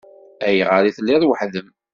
Ayɣer i telliḍ weḥd-m?